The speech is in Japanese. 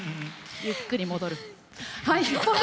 ゆっくり戻る。